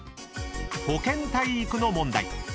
［保健体育の問題］